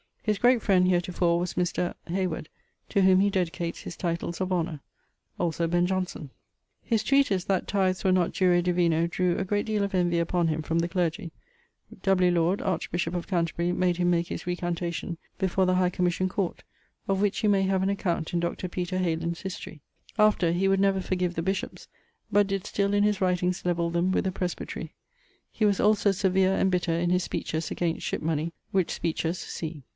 His great friend heretofore was Mr. ... Hayward, to whom he dedicates his Titles of Honour; also Ben Johnson. His treatise that Tythes were not jure divino drew a great deale of envy upon him from the clergie. W. Laud, archbishop of Canterbury, made him make his recantation before the High Commission Court, of which you may have an account in Dr. Peter Heylen's Historie. After, he would never forgive the bishops, but did still in his writings levell them with the presbyterie. He was also severe and bitter in his speeches against ship money, which speeches see.